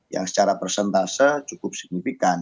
yang secara persentase cukup signifikan